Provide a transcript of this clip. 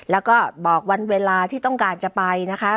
แล้วก็บอกวันเวลาที่ต้องการจะไปนะคะ